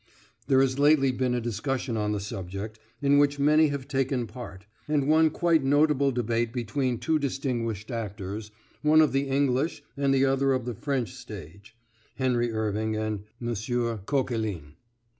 There has lately been a discussion on the subject, in which many have taken part, and one quite notable debate between two distinguished actors, one of the English and the other of the French stage [Henry Irving and Mons. Coquelin].